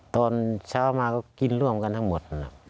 ตอนเช้ามาก็กินร่วมกันทั้งหมด